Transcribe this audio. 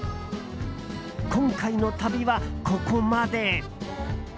今回の旅はここまで。